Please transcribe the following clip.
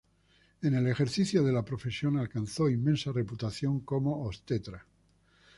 En el ejercicio de la profesión alcanzó inmensa reputación como obstetra.